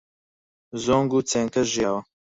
زۆنگ و چێنکە ژیاوە